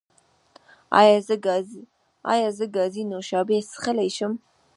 ایا زه ګازي نوشابې څښلی شم؟